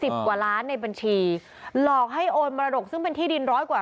กว่าล้านในบัญชีหลอกให้โอนมรดกซึ่งเป็นที่ดินร้อยกว่า